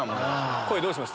声、どうしました？